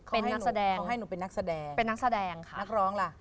เค้าให้หนูเป็นนักแสดงค่ะนักร้องล่ะ